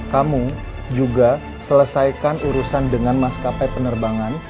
kamu juga selesaikan urusan dengan mas kapai penerbangan